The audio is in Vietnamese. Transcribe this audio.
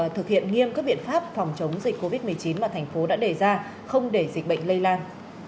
thực hiện nghiêm các biện pháp phòng chống dịch covid một mươi chín mà thành phố đã đề ra không để dịch bệnh lây lan